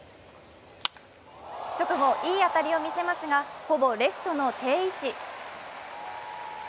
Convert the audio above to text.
直後いい当たりを見せますがほぼレフトの定位置。